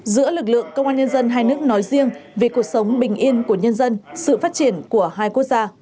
giữa lực lượng công an nhân dân hai nước nói riêng vì cuộc sống bình yên của nhân dân sự phát triển của hai quốc gia